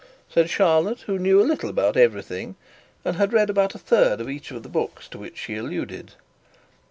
said Charlotte, who knew a little about everything, and had read about a third of each of the books to which she alluded.